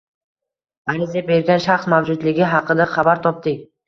ariza bergan shaxs mavjudligi haqida xabar topdik